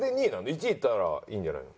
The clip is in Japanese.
１位いったらいいんじゃないの？